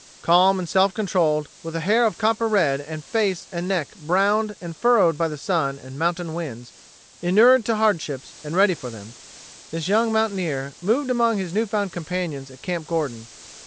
Calm and self controlled, with hair of copper red and face and neck browned and furrowed by the sun and mountain winds, enured to hardships and ready for them, this young mountaineer moved among his new found companions at Camp Gordon.